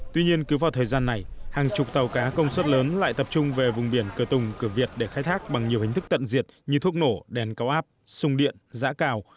tuy nhiên cứ vào thời gian này hàng chục tàu cá công suất lớn lại tập trung về vùng biển cờ tùng cửa việt để khai thác bằng nhiều hình thức tận diệt như thuốc nổ đèn cao áp sùng điện giã cào